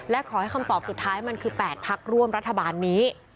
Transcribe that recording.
และขอให้คำตอบสุดท้ายมันคือ๘พักร่วมรัฐบาลนี้